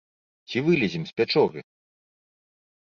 Ці вылезем з пячоры?